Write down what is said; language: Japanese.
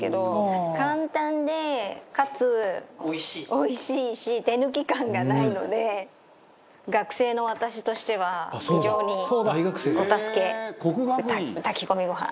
おいしいし手抜き感がないので学生の私としては非常にお助け炊き込みご飯。